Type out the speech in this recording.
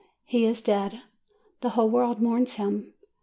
He is dead. The whole world mourns him.